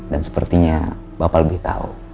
dan sepertinya bapak lebih tahu